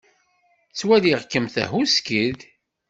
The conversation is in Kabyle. Ttwaliɣ-kem tehhuskid.